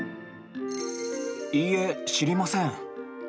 いいえ、しりません。